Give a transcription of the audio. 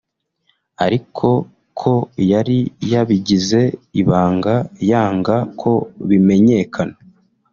ariko ko yari yabigize ibanga yanga ko bimenyekana